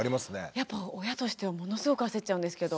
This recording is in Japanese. やっぱ親としてはものすごく焦っちゃうんですけど。